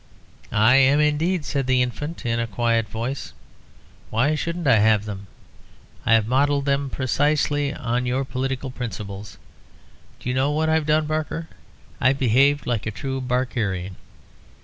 "I am, indeed," said the infant, in a quiet voice. "Why shouldn't I have them? I have modelled them precisely on your political principles. Do you know what I've done, Barker? I've behaved like a true Barkerian.